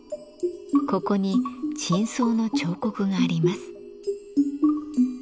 ここに頂相の彫刻があります。